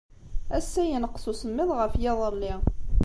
Ass-a, yenqes usemmiḍ ɣef yiḍelli.